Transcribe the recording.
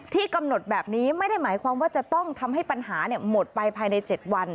กำหนดแบบนี้ไม่ได้หมายความว่าจะต้องทำให้ปัญหาหมดไปภายใน๗วัน